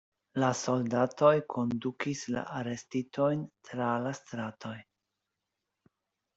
La soldatoj kondukis la arestitojn tra la stratoj.